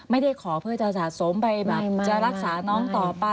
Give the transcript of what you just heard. ไม่ได้ขอเพื่อจะสะสมไปแบบจะรักษาน้องต่อไป